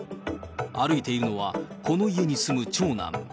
歩いているのは、この家に住む長男。